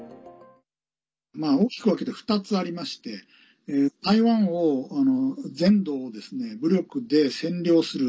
大きく分けて２つありまして台湾を、全土をですね武力で占領する。